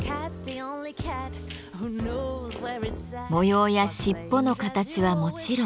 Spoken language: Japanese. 模様や尻尾の形はもちろん。